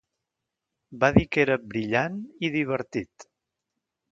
Va dir que era "brillant" i "divertit".